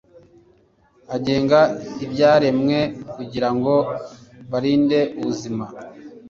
agenga ibyaremwe, kugira ngo barinde ubuzima